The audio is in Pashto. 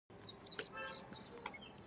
ایا سټي سکن مو کړی دی؟